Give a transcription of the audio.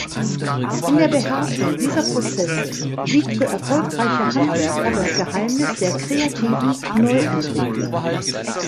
In der Beherrschung dieser Prozesse liegt für erfolgreiche Handwerker das Geheimnis der kreativen Neuentwicklung.